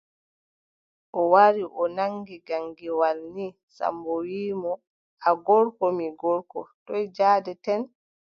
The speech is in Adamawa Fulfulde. O wari o naŋgi gaŋgirwal nii, Sammbo wiʼi mo : a gorko, mi gorko, toy njaadeten ?